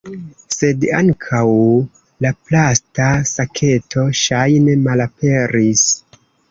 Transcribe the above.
Sed ankaŭ la plasta saketo ŝajne malaperis.